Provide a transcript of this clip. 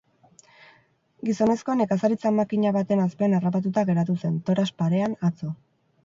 Gizonezkoa nekazaritza-makina baten azpian harrapatuta geratu zen, torax parean, atzo.